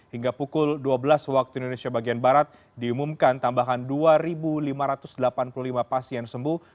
hingga pukul dua belas waktu indonesia bagian barat diumumkan tambahan dua lima ratus delapan puluh lima pasien sembuh